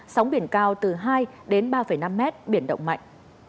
sóng biển cao từ hai đến ba năm mét biển động mạnh